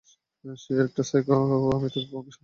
সে একটা সাইকো, আমি তাকে কখনো কারো সাথে কথা বলতে দেখিনি।